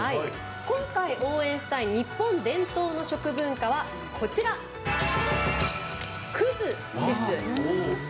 今回、応援したい日本伝統の食文化は葛です。